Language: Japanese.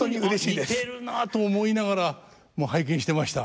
「あっ似てるな」と思いながらもう拝見してました。